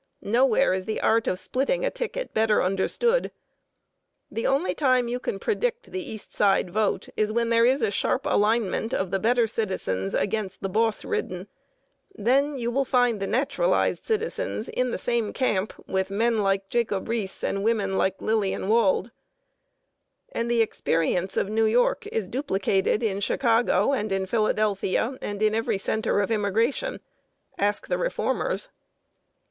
Nowhere is the art of splitting a ticket better understood. The only time you can predict the East Side vote is when there is a sharp alignment of the better citizens against the boss ridden. Then you will find the naturalized citizens in the same camp with men like Jacob Riis and women like Lillian Wald. And the experience of New York is duplicated in Chicago and in Philadelphia and in every center of immigration. Ask the reformers.